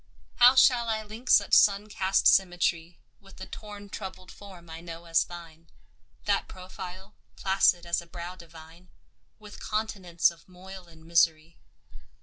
How shall I link such sun cast symmetry With the torn troubled form I know as thine, That profile, placid as a brow divine, With continents of moil and misery?